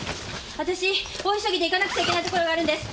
あたし大急ぎで行かなくちゃいけないところがあるんです！